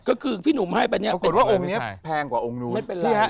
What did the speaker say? ก็คือพี่หนุ่มให้ไปเนี่ย